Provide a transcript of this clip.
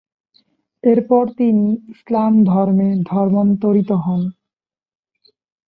এরপর তিনি ইসলাম ধর্মে ধর্মান্তরিত হন।